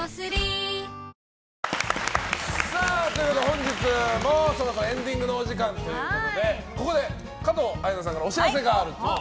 本日もそろそろエンディングのお時間ということでここで加藤綾菜さんからお知らせがあると。